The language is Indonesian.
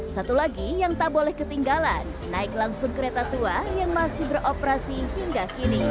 satu lagi yang tak boleh ketinggalan naik langsung kereta tua yang masih beroperasi hingga kini